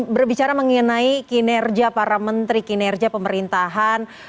berbicara mengenai kinerja para menteri kinerja pemerintahan